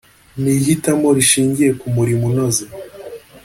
Ni ihitamo rishingiye ku murimo unoze